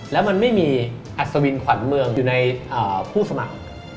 แล้วมันไม่มีอัศวินขวัญเมืองอยู่ในผู้สมัคร